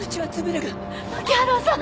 槇原さん